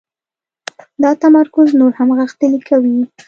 دا تمرکز نور هم غښتلی کوي.